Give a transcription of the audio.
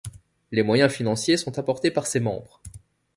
Les moyens financiers sont apportés par ses membres.